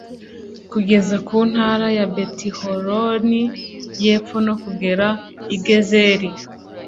kugera ku ntara ya betihoroni y'epfo no kugera i gezeri